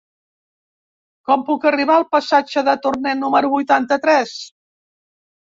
Com puc arribar al passatge de Torné número vuitanta-tres?